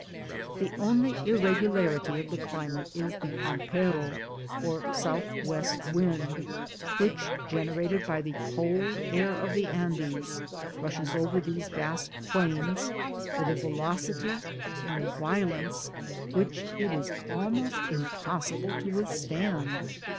The only irregularity in the climate is the pam pero, or south west wind, which, generated by the cold air oi the Andes, rushes over these vast plains with a velocity and a violence which it is almost impossible to withstand.